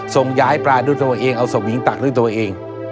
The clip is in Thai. ส่งย้ายปลาด้วยตัวเองเอาสวิงตักด้วยตัวเอง